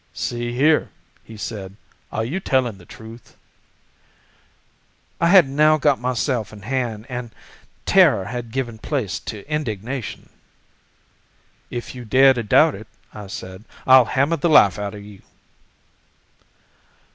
'See here,' he said, 'are you telling the truth?' "I had now got myself in hand and terror had given place to indignation. 'If you dare to doubt it,' I said, 'I'll hammer the life out of you!